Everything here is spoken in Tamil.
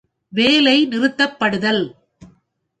வேலை நிறுத்தப்படுதல்.